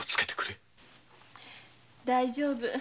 大丈夫。